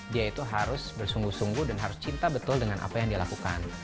dia itu harus bersungguh sungguh dan harus cinta betul dengan apa yang dia lakukan